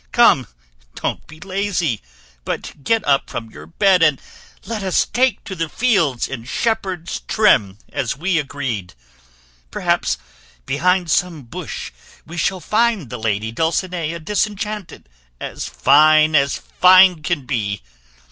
Come, don't be lazy, but get up from your bed and let us take to the fields in shepherd's trim as we agreed. Perhaps behind some bush we shall find the lady Dulcinea disenchanted, as fine as fine can be.